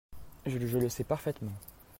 je le sais parfaitement.